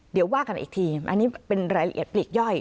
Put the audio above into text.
เดี๋ยวว่ากันอีกทีอันนี้เป็นรายละเอียดปลีกย่อย